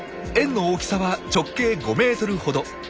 円の大きさは直径５ｍほど。